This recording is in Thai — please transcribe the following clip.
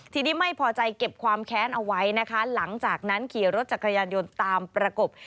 ทีนี้ไม่พอใจเก็บความแค้นเอาไว้นะคะหลังจากนั้นขี่รถจักรยานยนต์ตามประกบ